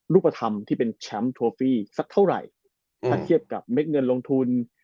รูปธรรมที่เป็นแชมป์โทฟี่สักเท่าไหร่ถ้าเทียบกับเม็ดเงินลงทุน